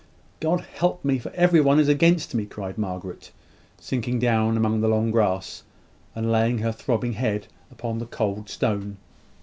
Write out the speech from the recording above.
"God help me, for every one is against me!" cried Margaret, sinking down among the long grass, and laying her throbbing head upon the cold stone.